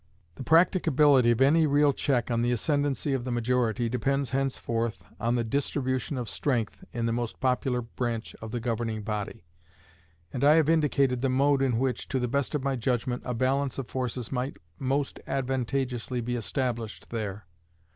The practicability of any real check to the ascendancy of the majority depends henceforth on the distribution of strength in the most popular branch of the governing body; and I have indicated the mode in which, to the best of my judgment, a balance of forces might most advantageously be established there.